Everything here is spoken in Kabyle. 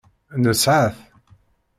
Nesɛa-t.